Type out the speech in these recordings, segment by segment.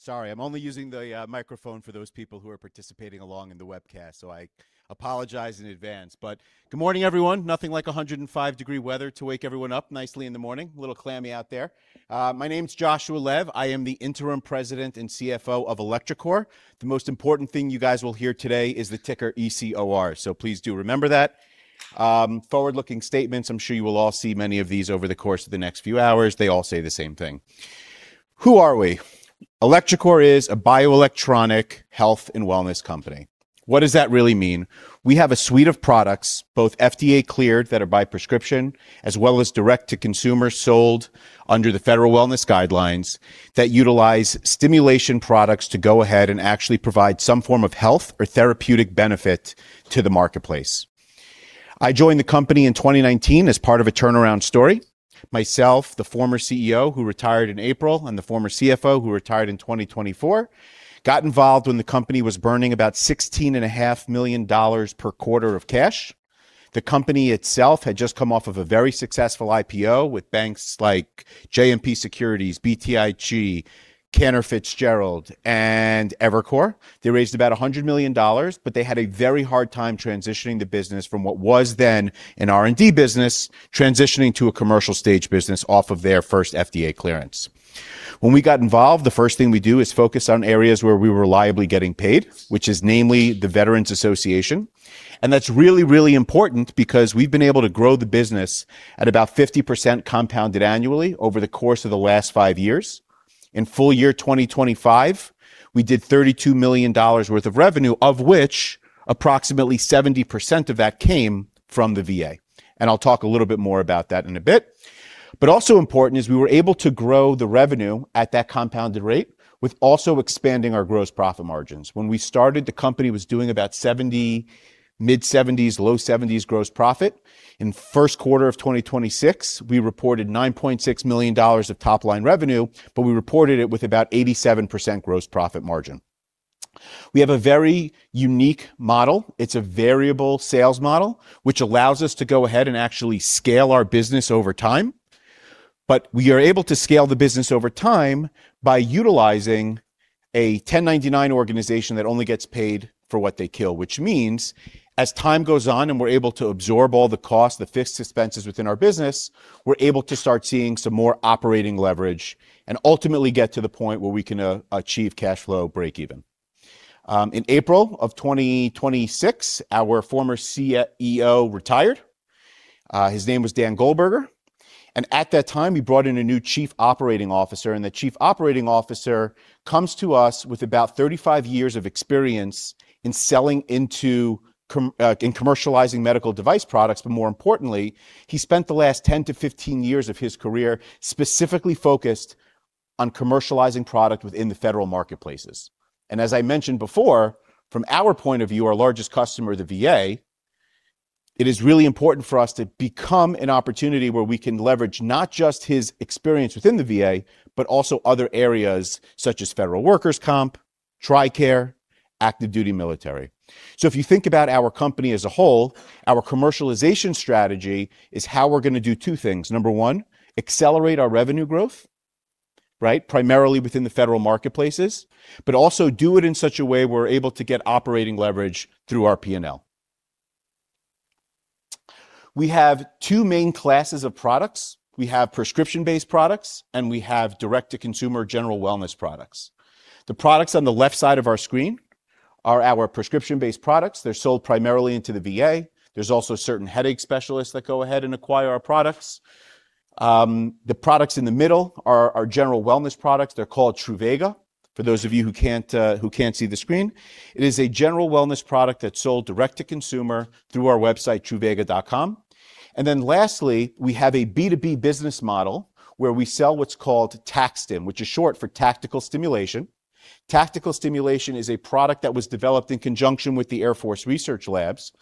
Sorry, I'm only using the microphone for those people who are participating along in the webcast, so I apologize in advance. Good morning, everyone. Nothing like 105 degrees Fahrenheit weather to wake everyone up nicely in the morning. A little clammy out there. My name's Joshua Lev. I am the Interim President and CFO of electroCore. The most important thing you guys will hear today is the ticker ECOR, so please do remember that. Forward-looking statements, I'm sure you will all see many of these over the course of the next few hours. They all say the same thing. Who are we? electroCore is a bioelectronic health and wellness company. What does that really mean? We have a suite of products, both FDA-cleared that are by prescription, as well as direct-to-consumer sold under the federal wellness guidelines that utilize stimulation products to go ahead and actually provide some form of health or therapeutic benefit to the marketplace. I joined the company in 2019 as part of a turnaround story. Myself, the former CEO, who retired in April, and the former CFO, who retired in 2024, got involved when the company was burning about $16.5 million per quarter of cash. The company itself had just come off of a very successful IPO with banks like JMP Securities, BTIG, Cantor Fitzgerald, and Evercore. They raised about $100 million, but they had a very hard time transitioning the business from what was then an R&D business, transitioning to a commercial stage business off of their first FDA clearance. When we got involved, the first thing we do is focus on areas where we were reliably getting paid, which is namely the Veterans Affairs. That's really, really important because we've been able to grow the business at about 50% compounded annually over the course of the last five years. In full year 2025, we did $32 million worth of revenue, of which approximately 70% of that came from the VA. I'll talk a little bit more about that in a bit. Also important is we were able to grow the revenue at that compounded rate with also expanding our gross profit margins. When we started, the company was doing about mid-70s, low 70s gross profit. In the first quarter of 2026, we reported $9.6 million of top-line revenue, but we reported it with about 87% gross profit margin. We have a very unique model. It's a variable sales model, which allows us to go ahead and actually scale our business over time. We are able to scale the business over time by utilizing a 1099 organization that only gets paid for what they kill, which means as time goes on and we're able to absorb all the costs, the fixed expenses within our business, we're able to start seeing some more operating leverage and ultimately get to the point where we can achieve cash flow breakeven. In April of 2026, our former CEO retired. His name was Dan Goldberger. At that time, he brought in a new Chief Operating Officer, the Chief Operating Officer comes to us with about 35 years of experience in commercializing medical device products. More importantly, he spent the last 10 to 15 years of his career specifically focused on commercializing product within the federal marketplaces. As I mentioned before, from our point of view, our largest customer, the VA, it is really important for us to become an opportunity where we can leverage not just his experience within the VA, but also other areas such as federal workers comp, TRICARE, active duty military. If you think about our company as a whole, our commercialization strategy is how we're going to do two things. Number 1, accelerate our revenue growth, right? Primarily within the federal marketplaces, but also do it in such a way we're able to get operating leverage through our P&L. We have two main classes of products. We have prescription-based products, and we have direct-to-consumer general wellness products. The products on the left side of our screen are our prescription-based products. They're sold primarily into the VA. There's also certain headache specialists that go ahead and acquire our products. The products in the middle are our general wellness products. They're called Truvaga. For those of you who can't see the screen, it is a general wellness product that's sold direct-to-consumer through our website, truvaga.com. Lastly, we have a B2B business model where we sell what's called TAC-STIM, which is short for tactical stimulation. Tactical stimulation is a product that was developed in conjunction with the Air Force Research Labs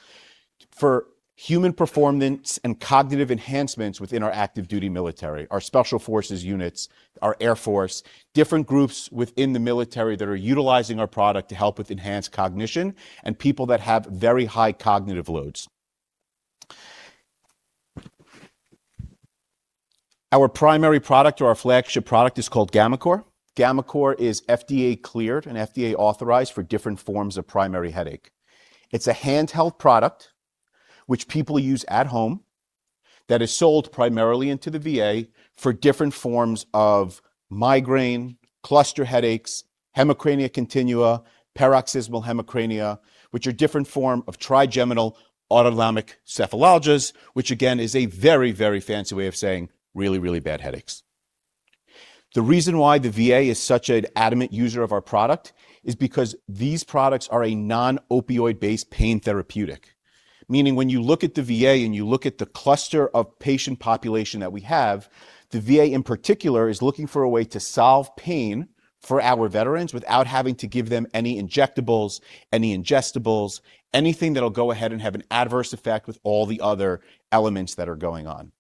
for human performance and cognitive enhancements within our active duty military, our special forces units, our Air Force. Different groups within the military that are utilizing our product to help with enhanced cognition and people that have very high cognitive loads. Our primary product or our flagship product is called gammaCore. gammaCore is FDA-cleared and FDA-authorized for different forms of primary headache. It's a handheld product which people use at home that is sold primarily into the VA for different forms of migraine, cluster headaches, hemicrania continua, paroxysmal hemicrania, which are different form of trigeminal autonomic cephalalgias, which again, is a very, very fancy way of saying really, really bad headaches. The reason why the VA is such an adamant user of our product is because these products are a non-opioid-based pain therapeutic, meaning when you look at the VA and you look at the cluster of patient population that we have. The VA in particular is looking for a way to solve pain for our veterans without having to give them any injectables, any ingestible, anything that'll go ahead and have an adverse effect with all the other elements that are going on.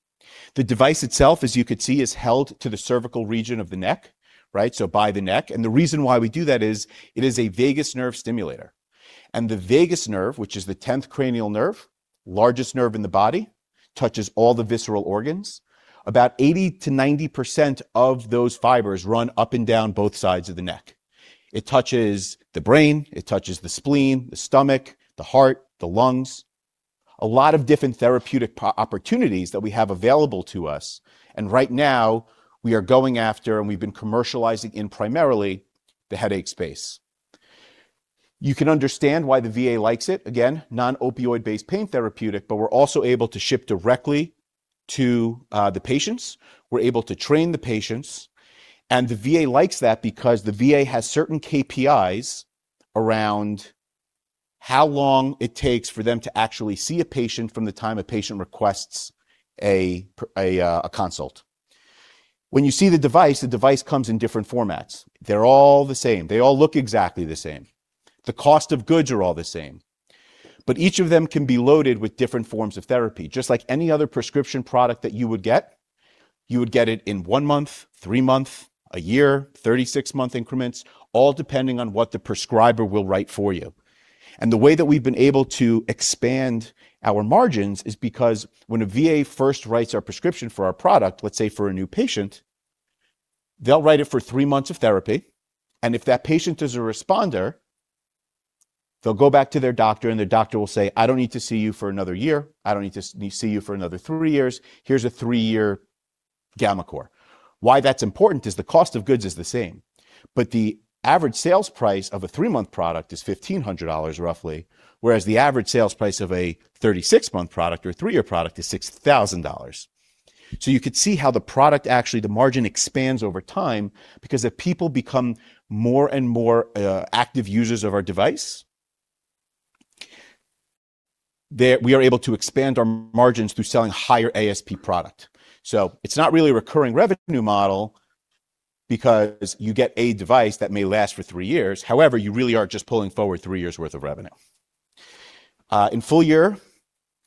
The device itself, as you could see, is held to the cervical region of the neck, right? By the neck. The reason why we do that is it is a vagus nerve stimulator. The vagus nerve, which is the 10th cranial nerve Largest nerve in the body, touches all the visceral organs. About 80%-90% of those fibers run up and down both sides of the neck. It touches the brain, it touches the spleen, the stomach, the heart, the lungs. A lot of different therapeutic opportunities that we have available to us, and right now we are going after and we've been commercializing in primarily the headache space. You can understand why the VA likes it. Non-opioid-based pain therapeutic, we're also able to ship directly to the patients, we're able to train the patients. The VA likes that because the VA has certain KPIs around how long it takes for them to actually see a patient from the time a patient requests a consult. When you see the device, the device comes in different formats. They're all the same. They all look exactly the same. The cost of goods are all the same. Each of them can be loaded with different forms of therapy. Just like any other prescription product that you would get, you would get it in one month, three month, a year, 36-month increments, all depending on what the prescriber will write for you. The way that we've been able to expand our margins is because when a VA first writes a prescription for our product, let's say for a new patient, they'll write it for three months of therapy. If that patient is a responder, they'll go back to their doctor and their doctor will say, "I don't need to see you for another year. I don't need to see you for another three years. Here's a three-year gammaCore." Why that's important is the cost of goods is the same. The average sales price of a three-month product is $1,500 roughly, whereas the average sales price of a 36-month product or three-year product is $6,000. You could see how the product actually the margin expands over time because if people become more and more active users of our device, we are able to expand our margins through selling higher ASP product. It's not really a recurring revenue model because you get a device that may last for three years. However, you really are just pulling forward three years' worth of revenue. In full year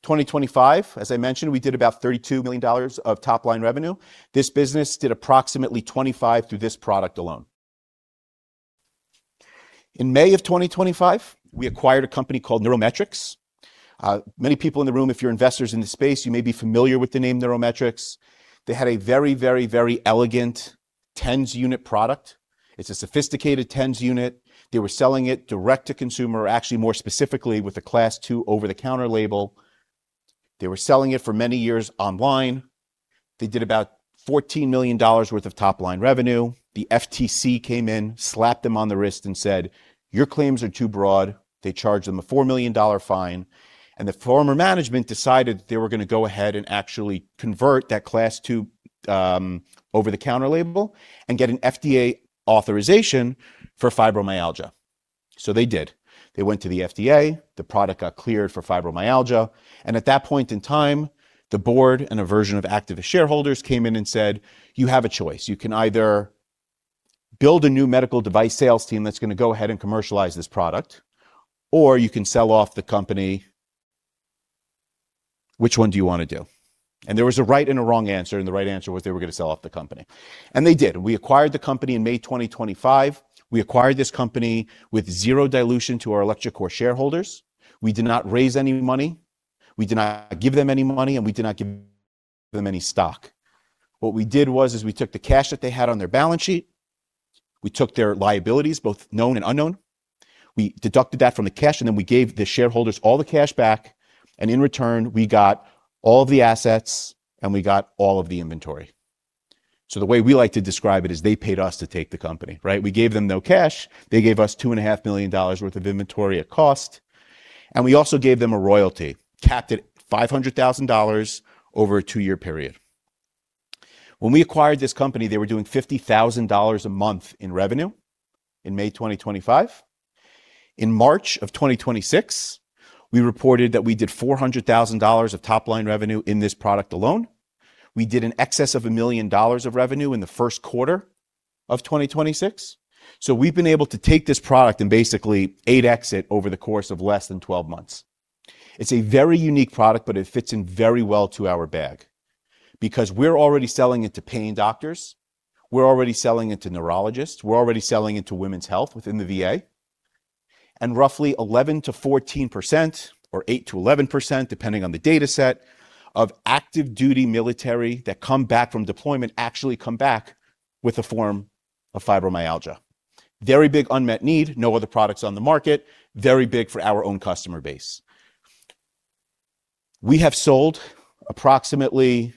2025, as I mentioned, we did about $32 million of top-line revenue. This business did approximately $25 million through this product alone. In May 2025, we acquired a company called NeuroMetrix. Many people in the room, if you're investors in the space, you may be familiar with the name NeuroMetrix. They had a very elegant TENS unit product. It's a sophisticated TENS unit. They were selling it direct to consumer, actually more specifically with a class 2 over-the-counter label. They were selling it for many years online. They did about $14 million worth of top-line revenue. The FTC came in, slapped them on the wrist and said, "Your claims are too broad." They charged them a $4 million fine. The former management decided they were going to go ahead and actually convert that class 2 over-the-counter label and get an FDA authorization for fibromyalgia. They did. They went to the FDA, the product got cleared for fibromyalgia. At that point in time, the board and a version of activist shareholders came in and said, "You have a choice. You can either build a new medical device sales team that's going to go ahead and commercialize this product, or you can sell off the company. Which one do you want to do?" There was a right and a wrong answer, and the right answer was they were going to sell off the company. They did. We acquired the company in May 2025. We acquired this company with zero dilution to our electroCore shareholders. We did not raise any money. We did not give them any money, and we did not give them any stock. What we did was is we took the cash that they had on their balance sheet, we took their liabilities, both known and unknown, we deducted that from the cash, and then we gave the shareholders all the cash back, and in return, we got all of the assets, and we got all of the inventory. The way we like to describe it is they paid us to take the company, right? We gave them no cash. They gave us $2.5 million worth of inventory at cost. We also gave them a royalty, capped at $500,000 over a two-year period. When we acquired this company, they were doing $50,000 a month in revenue in May 2025. In March of 2026, we reported that we did $400,000 of top-line revenue in this product alone. We did in excess of $1 million of revenue in the first quarter of 2026. We've been able to take this product and basically 8x it over the course of less than 12 months. It's a very unique product, but it fits in very well to our bag because we're already selling it to pain doctors, we're already selling it to neurologists, we're already selling it to women's health within the VA. Roughly 11%-14%, or 8%-11%, depending on the dataset, of active duty military that come back from deployment actually come back with a form of fibromyalgia. Very big unmet need. No other products on the market. Very big for our own customer base. We have sold approximately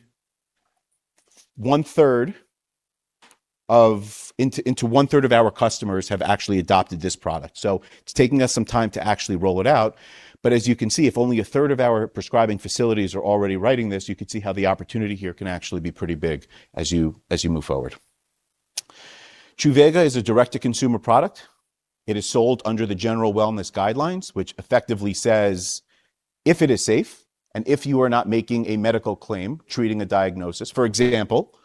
one-third of our customers have actually adopted this product. It's taking us some time to actually roll it out. As you can see, if only a third of our prescribing facilities are already writing this, you could see how the opportunity here can actually be pretty big as you move forward. Truvaga is a direct-to-consumer product. It is sold under the general wellness guidelines, which effectively says if it is safe and if you are not making a medical claim treating a diagnosis. For example,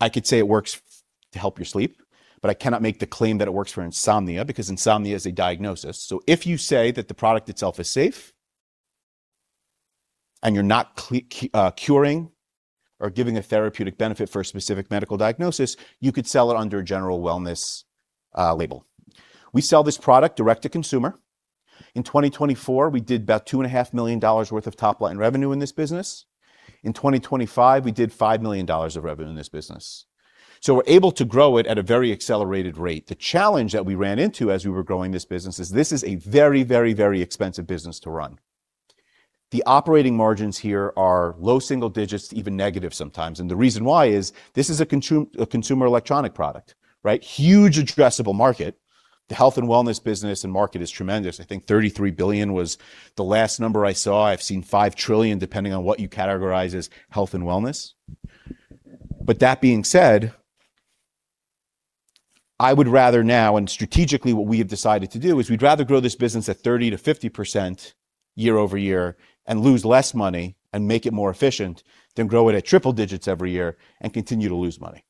I could say it works to help your sleep, but I cannot make the claim that it works for insomnia because insomnia is a diagnosis. If you say that the product itself is safe, and you're not curing or giving a therapeutic benefit for a specific medical diagnosis, you could sell it under a general wellness label. We sell this product direct-to-consumer. In 2024, we did about two and a half million dollars worth of top-line revenue in this business. In 2025, we did $5 million of revenue in this business. We're able to grow it at a very accelerated rate. The challenge that we ran into as we were growing this business is this is a very, very, very expensive business to run. The operating margins here are low single digits, even negative sometimes. The reason why is this is a consumer electronic product, right? Huge addressable market. The health and wellness business and market is tremendous. I think $33 billion was the last number I saw. I've seen $5 trillion, depending on what you categorize as health and wellness. That being said, I would rather now, and strategically what we have decided to do, is we'd rather grow this business at 30%-50% year-over-year and lose less money and make it more efficient than grow it at triple digits every year and continue to lose money.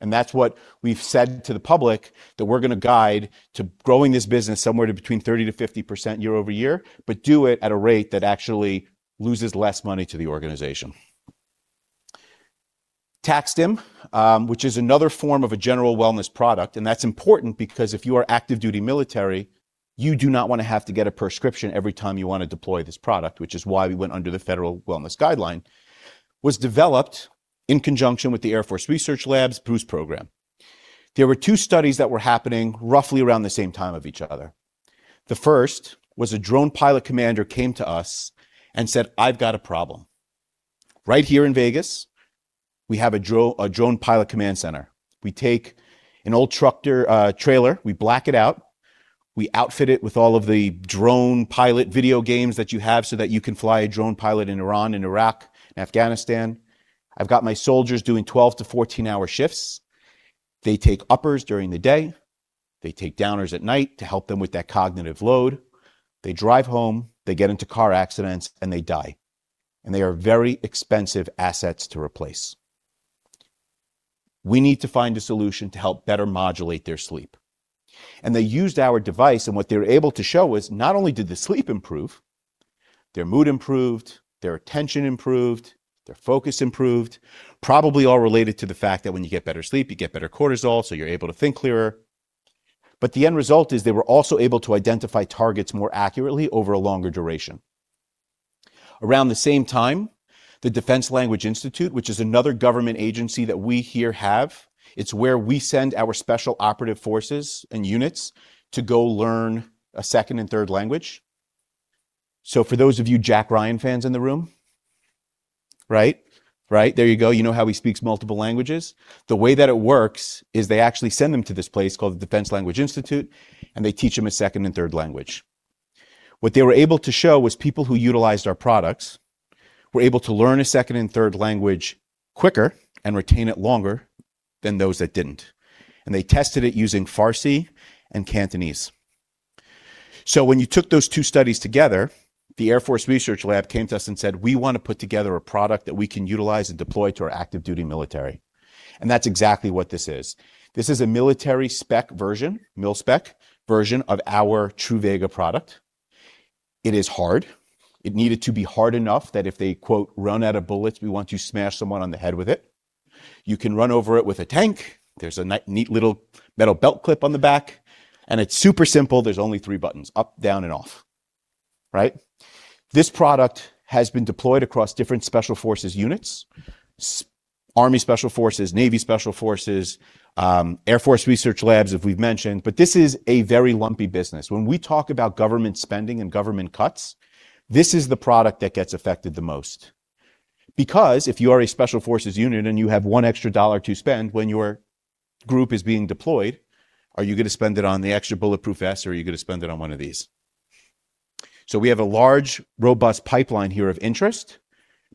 That's what we've said to the public, that we're going to guide to growing this business somewhere to between 30%-50% year-over-year, but do it at a rate that actually loses less money to the organization. TAC-STIM, which is another form of a general wellness product, that's important because if you are active duty military, you do not want to have to get a prescription every time you want to deploy this product, which is why we went under the federal wellness guideline. It was developed in conjunction with the Air Force Research Laboratory Boost Program. There were two studies that were happening roughly around the same time of each other. The first was a drone pilot commander came to us and said, "I've got a problem. Right here in Vegas, we have a drone pilot command center. We take an old truck trailer, we black it out. We outfit it with all of the drone pilot video games that you have so that you can fly a drone pilot in Iran and Iraq and Afghanistan. I've got my soldiers doing 12-14-hour shifts. They take uppers during the day. They take downers at night to help them with that cognitive load. They drive home, they get into car accidents, and they die. They are very expensive assets to replace. We need to find a solution to help better modulate their sleep." They used our device, and what they were able to show was not only did the sleep improve, their mood improved, their attention improved, their focus improved, probably all related to the fact that when you get better sleep, you get better cortisol, so you're able to think clearer. The end result is they were also able to identify targets more accurately over a longer duration. Around the same time, the Defense Language Institute, which is another government agency that we here have, it's where we send our special operative forces and units to go learn a second and third language. For those of you Jack Ryan fans in the room, right? There you go, you know how he speaks multiple languages. The way that it works is they actually send them to this place called the Defense Language Institute, and they teach them a second and third language. What they were able to show was people who utilized our products were able to learn a second and third language quicker and retain it longer than those that didn't. They tested it using Farsi and Cantonese. When you took those two studies together, the Air Force Research Laboratory came to us and said, "We want to put together a product that we can utilize and deploy to our active duty military." That's exactly what this is. This is a military-spec version, mil-spec version of our Truvaga product. It is hard. It needed to be hard enough that if they, quote, "run out of bullets, we want to smash someone on the head with it." You can run over it with a tank. There is a neat little metal belt clip on the back, and it is super simple. There are only three buttons: up, down, and off, right? This product has been deployed across different special forces units, Army Special Forces, Navy Special Forces, Air Force Research Laboratory, as we have mentioned, but this is a very lumpy business. We talk about government spending and government cuts, this is the product that gets affected the most. Because if you are a special forces unit and you have $1 extra to spend when your group is being deployed. Are you going to spend it on the extra bulletproof vest, or are you going to spend it on one of these? We have a large, robust pipeline here of interest,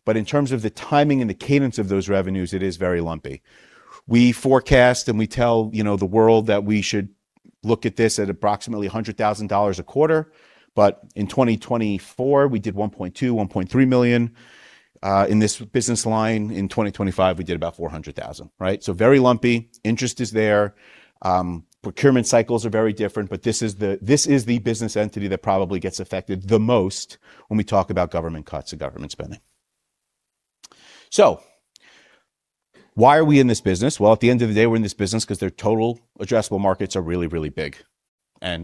but in terms of the timing and the cadence of those revenues, it is very lumpy. We forecast and we tell the world that we should look at this at approximately $100,000 a quarter, but in 2024, we did $1.2 million-$1.3 million in this business line. In 2025, we did about $400,000, right? Very lumpy. Interest is there. Procurement cycles are very different, but this is the business entity that probably gets affected the most when we talk about government cuts and government spending. Why are we in this business? Well, at the end of the day, we are in this business because their total addressable markets are really, really big.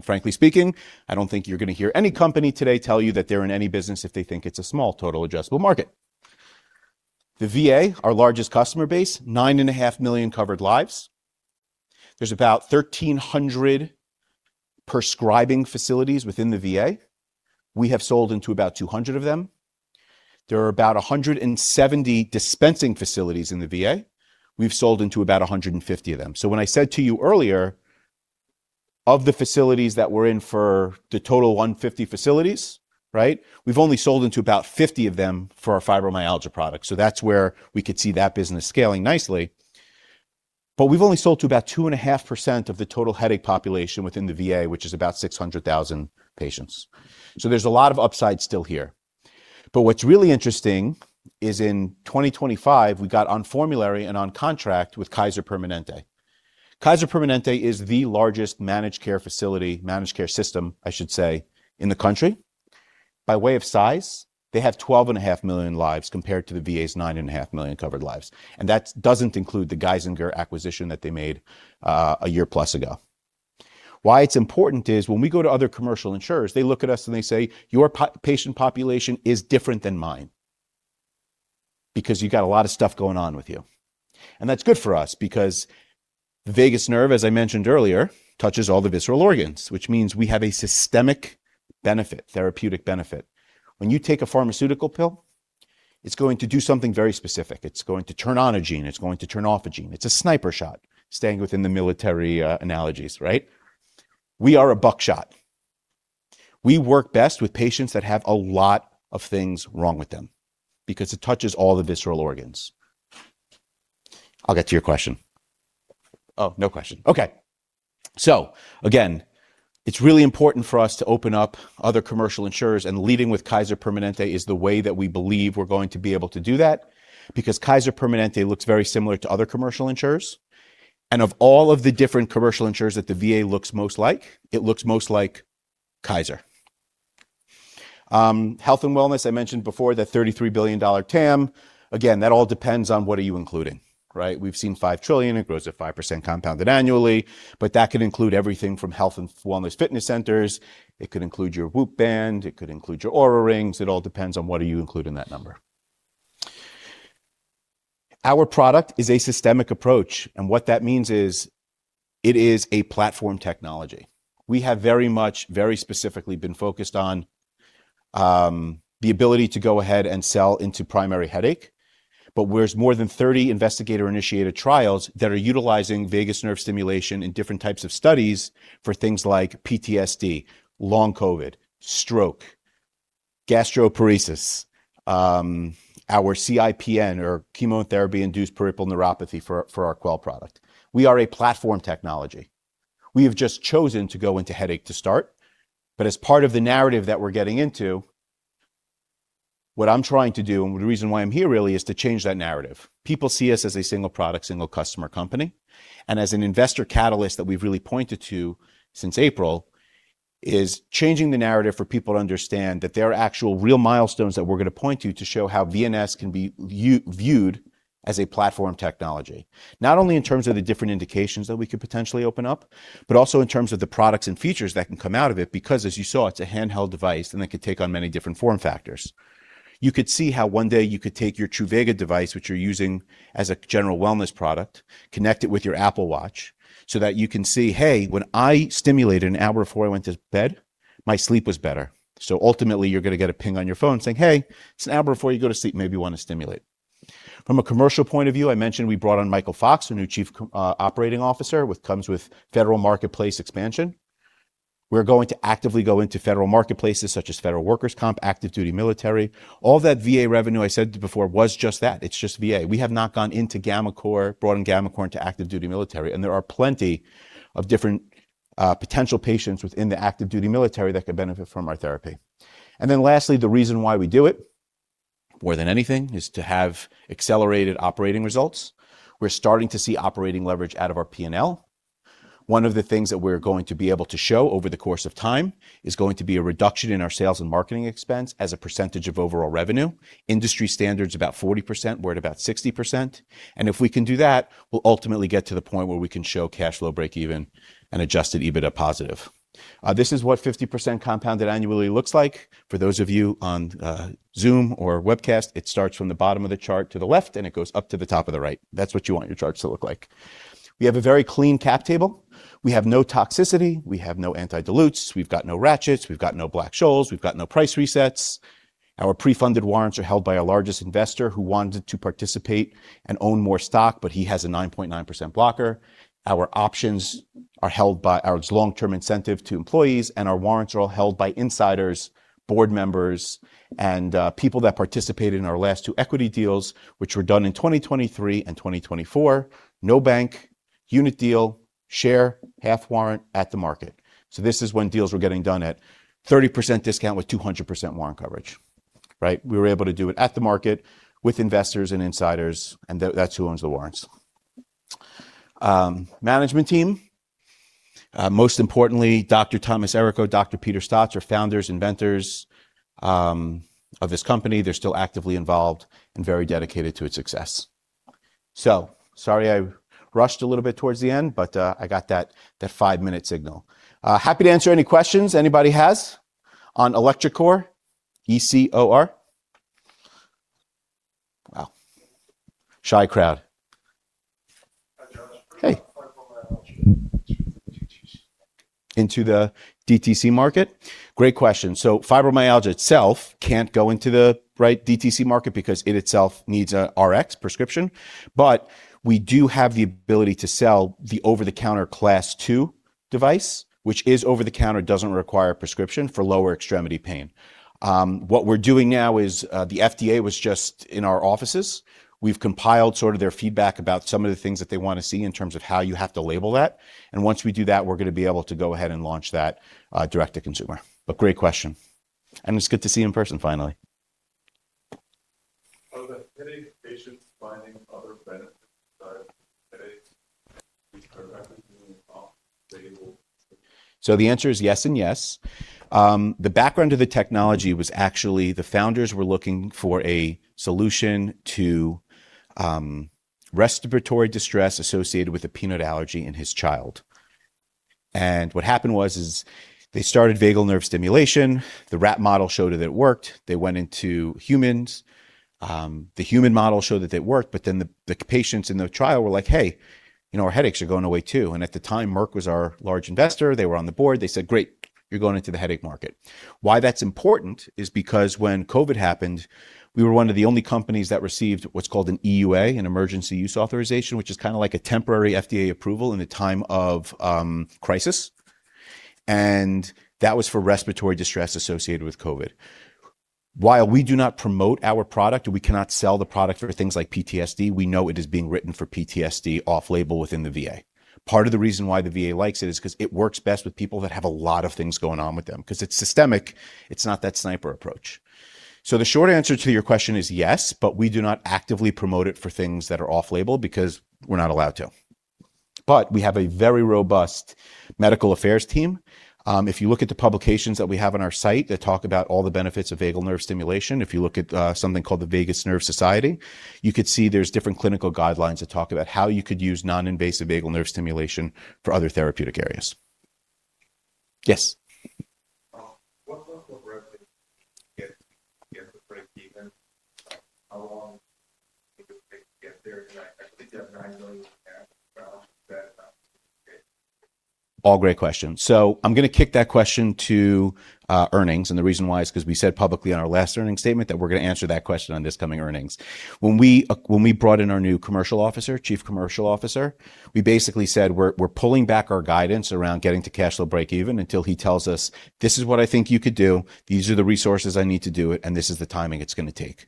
Frankly speaking, I do not think you are going to hear any company today tell you that they are in any business if they think it is a small total addressable market. The VA, our largest customer base, 9.5 million covered lives. There are about 1,300 prescribing facilities within the VA. We have sold into about 200 of them. There are about 170 dispensing facilities in the VA. We have sold into about 150 of them. When I said to you earlier, of the facilities that we are in for the total 150 facilities, right, we have only sold into about 50 of them for our fibromyalgia product. That is where we could see that business scaling nicely. But we have only sold to about 2.5% of the total headache population within the VA, which is about 600,000 patients. There is a lot of upside still here. But what is really interesting is in 2025, we got on formulary and on contract with Kaiser Permanente. Kaiser Permanente is the largest managed care facility, managed care system, I should say, in the country. By way of size, they have 12.5 million lives compared to the VA's 9.5 million covered lives. And that does not include the Geisinger acquisition that they made a year plus ago. Why it's important is when we go to other commercial insurers, they look at us and they say, "Your patient population is different than mine because you've got a lot of stuff going on with you." That's good for us because the vagus nerve, as I mentioned earlier, touches all the visceral organs, which means we have a systemic benefit, therapeutic benefit. When you take a pharmaceutical pill, it's going to do something very specific. It's going to turn on a gene. It's going to turn off a gene. It's a sniper shot, staying within the military analogies, right? We are a buckshot. We work best with patients that have a lot of things wrong with them because it touches all the visceral organs. I'll get to your question. Oh, no question. Okay. Again, it's really important for us to open up other commercial insurers and leading with Kaiser Permanente is the way that we believe we're going to be able to do that, because Kaiser Permanente looks very similar to other commercial insurers. Of all of the different commercial insurers that the VA looks most like, it looks most like Kaiser. Health and wellness, I mentioned before, the $33 billion TAM. Again, that all depends on what are you including, right? We've seen $5 trillion. It grows at 5% compounded annually, but that could include everything from health and wellness fitness centers. It could include your WHOOP band. It could include your Oura Rings. It all depends on what do you include in that number. Our product is a systemic approach, and what that means is it is a platform technology. We have very much, very specifically been focused on the ability to go ahead and sell into primary headache. There's more than 30 investigator-initiated trials that are utilizing vagus nerve stimulation in different types of studies for things like PTSD, long COVID, stroke, gastroparesis, our CIPN or chemotherapy-induced peripheral neuropathy for our Quell product. We are a platform technology. We have just chosen to go into headache to start, but as part of the narrative that we're getting into, what I'm trying to do, and the reason why I'm here really is to change that narrative. People see us as a single product, single customer company. As an investor catalyst that we've really pointed to since April is changing the narrative for people to understand that there are actual real milestones that we're going to point to show how VNS can be viewed as a platform technology. Not only in terms of the different indications that we could potentially open up, but also in terms of the products and features that can come out of it because, as you saw, it's a handheld device and it could take on many different form factors. You could see how one day you could take your Truvaga device, which you're using as a general wellness product, connect it with your Apple Watch so that you can see, hey, when I stimulated an hour before I went to bed, my sleep was better. Ultimately, you're going to get a ping on your phone saying, "Hey, it's an hour before you go to sleep, maybe you want to stimulate." From a commercial point of view, I mentioned we brought on Michael Fox, our new Chief Operating Officer, comes with federal marketplace expansion. We're going to actively go into federal marketplaces such as federal workers comp, active duty military. All that VA revenue I said before was just that. It's just VA. We have not gone into gammaCore, brought in gammaCore into active duty military, and there are plenty of different potential patients within the active duty military that could benefit from our therapy. Lastly, the reason why we do it more than anything is to have accelerated operating results. We're starting to see operating leverage out of our P&L. One of the things that we're going to be able to show over the course of time is going to be a reduction in our sales and marketing expense as a percentage of overall revenue. Industry standard's about 40%, we're at about 60%. If we can do that, we'll ultimately get to the point where we can show cash flow breakeven and adjusted EBITDA positive. This is what 50% compounded annually looks like. For those of you on Zoom or webcast, it starts from the bottom of the chart to the left, and it goes up to the top of the right. That's what you want your charts to look like. We have a very clean cap table. We have no toxicity. We have no anti-dilutes. We've got no ratchets. We've got no Black-Scholes. We've got no price resets. Our pre-funded warrants are held by our largest investor who wanted to participate and own more stock, but he has a 9.9% blocker. Our options are held by our long-term incentive to employees, and our warrants are all held by insiders, board members, and people that participated in our last two equity deals, which were done in 2023 and 2024. No bank, unit deal, share, half warrant at the market. This is when deals were getting done at 30% discount with 200% warrant coverage, right? We were able to do it at the market with investors and insiders, and that's who owns the warrants. Management team. Most importantly, Dr. Thomas Errico, Dr. Peter Staats are founders, inventors of this company. They're still actively involved and very dedicated to its success. Sorry I rushed a little bit towards the end, but I got that five-minute signal. Happy to answer any questions anybody has on electroCore, ECOR. Wow. Shy crowd. Hi, Josh. Hey. Can you talk about fibromyalgia DTC market? Into the DTC market? Great question. Fibromyalgia itself can't go into the right DTC market because it itself needs a Rx prescription. We do have the ability to sell the over-the-counter class 2 device, which is over the counter, doesn't require a prescription for lower extremity pain. What we're doing now is the FDA was just in our offices. We've compiled sort of their feedback about some of the things that they want to see in terms of how you have to label that. Once we do that, we're going to be able to go ahead and launch that direct to consumer. Great question. It's good to see you in person finally. Are the headache patients finding other benefits? The answer is yes and yes. The background of the technology was actually the founders were looking for a solution to respiratory distress associated with a peanut allergy in his child. What happened was, is they started vagus nerve stimulation. The rat model showed that it worked. They went into humans. The human model showed that it worked. The patients in the trial were like, "Hey, our headaches are going away, too." At the time, Merck was our large investor. They were on the board. They said, "Great, you're going into the headache market." That's important is because when COVID happened, we were one of the only companies that received what's called an EUA, an emergency use authorization, which is kind of like a temporary FDA approval in a time of crisis. That was for respiratory distress associated with COVID. While we do not promote our product, we cannot sell the product for things like PTSD, we know it is being written for PTSD off-label within the VA. Part of the reason why the VA likes it is because it works best with people that have a lot of things going on with them, because it's systemic, it's not that sniper approach. The short answer to your question is yes, but we do not actively promote it for things that are off-label because we're not allowed to. We have a very robust medical affairs team. If you look at the publications that we have on our site that talk about all the benefits of vagus nerve stimulation, if you look at something called the Vagus Nerve Society, you could see there's different clinical guidelines that talk about how you could use non-invasive vagus nerve stimulation for other therapeutic areas. Yes. What's the progress to get to breakeven? How long do you think it'll take to get there? Because I think you have $9 million in cash from that. All great questions. I'm going to kick that question to earnings, and the reason why is because we said publicly on our last earnings statement that we're going to answer that question on this coming earnings. When we brought in our new commercial officer, Chief Commercial Officer, we basically said, "We're pulling back our guidance around getting to cash flow breakeven until he tells us, 'This is what I think you could do, these are the resources I need to do it, and this is the timing it's going to take.'"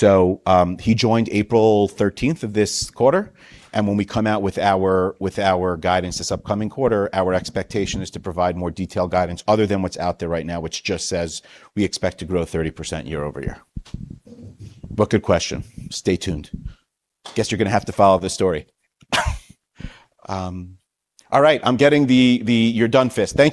He joined April 13th of this quarter, and when we come out with our guidance this upcoming quarter, our expectation is to provide more detailed guidance other than what's out there right now, which just says we expect to grow 30% year-over-year. Good question. Stay tuned. Guess you're going to have to follow this story. All right. I'm getting the you're done fist.